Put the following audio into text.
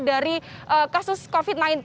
dari kasus covid sembilan belas